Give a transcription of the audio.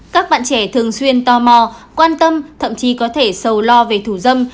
các bạn trẻ thường xuyên tò mò quan tâm thậm chí có thể sầu lo về thủ dâm